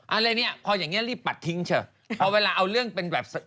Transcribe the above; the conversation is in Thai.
อันเรื่องนี้พออย่างนี้รีบปัดทิ้งเฉยเพราะเวลาเอาเรื่องเป็นแบบ